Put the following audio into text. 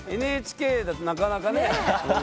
ＮＨＫだとなかなかね。